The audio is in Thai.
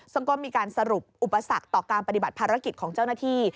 ซึ่งก็มีการสรุปอุปสรรคต่อการปฏิบัติภารกิจของเจ้าหน้าที่